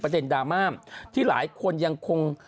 ประเด็นดราม่าที่หลายคนยังคง